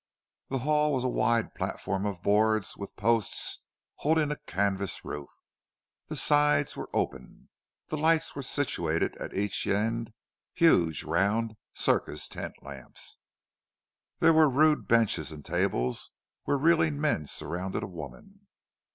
The hall was a wide platform of boards with posts holding a canvas roof. The sides, were open; the lights were situated at each end huge, round, circus tent lamps. There were rude benches and tables where reeling men surrounded a woman.